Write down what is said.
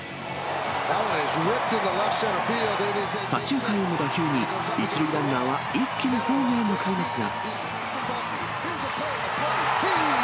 左中間への打球に、１塁ランナーは一気にホームへ向かいますが。